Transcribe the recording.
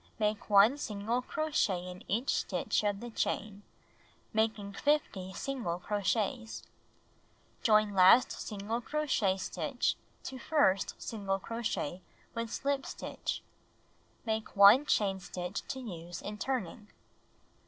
Make 1 single crochet in each stitch of the chain, making Make tassel. A Teddy Bear Suit 139 50 single crochets. Join last single crochet stitch to first single crochet with slip stitch. Make 1 chain stitch to use in turning.